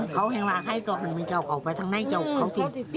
เขาแห่งรักให้แต่ทางใหม่เจ้าเขาไปทางแน่เจ้าเขาที่